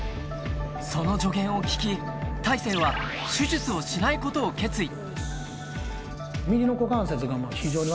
その助言を聞き大勢は手術をしないことを決意